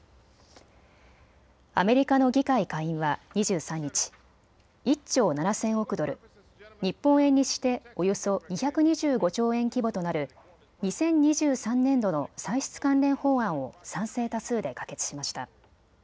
アメリカの議会下院は２３日、１兆７０００億ドル、日本円にしておよそ２２５兆円規模となる２０２３年度の歳出関連法案を賛成多数で可決しました。